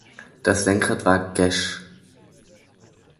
Das Lenkrad war gesch